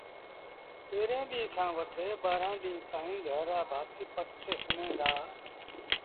پيريݩ ڏيݩهݩ کآݩ وٺي ٻآرآݩ ڏيݩهآݩ تائيٚݩ گھر رآ ڀآتيٚ پٽ تي سُوميݩ دآ